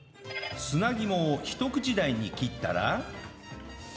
砂肝をひと口大に切ったら